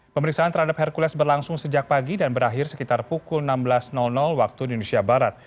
pemeriksaan terhadap hercules berlangsung sejak pagi dan berakhir sekitar pukul enam belas waktu indonesia barat